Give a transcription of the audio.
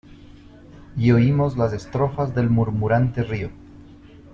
Y oímos las estrofas del murmurante río.